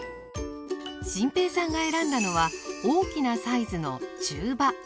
心平さんが選んだのは大きなサイズの中羽。